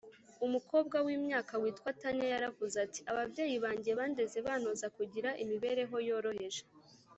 Umukobwa w imyaka witwa Tanya yaravuze ati ababyeyi banjye bandeze bantoza kugira imibereho yoroheje